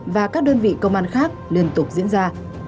và các đơn vị công an khác liên tục diễn ra